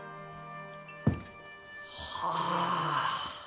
はあ。